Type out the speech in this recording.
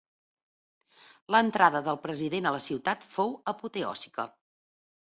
L'entrada del president a la ciutat fou apoteòsica.